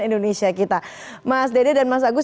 indonesia kita mas dede dan mas agus